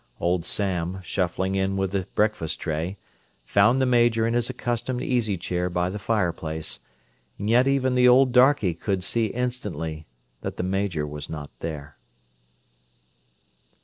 Old Sam, shuffling in with the breakfast tray, found the Major in his accustomed easy chair by the fireplace—and yet even the old darkey could see instantly that the Major was not there.